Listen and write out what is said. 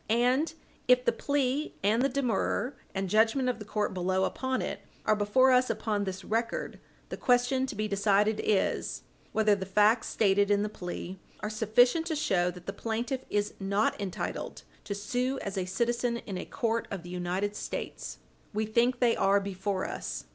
And, if the plea and demurrer, and judgment of the court below upon it, are before us upon this record, the question to be decided is whether the facts stated in the plea are sufficient to show that the plaintiff is not entitled to sue as a citizen in a court of the United States. Page 60 U. S. 403 We think they are before us.